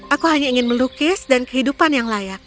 aku hanya ingin melukis dan kehidupan yang layak